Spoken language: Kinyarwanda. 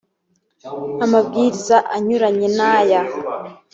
amabwiriza anyuranye n aya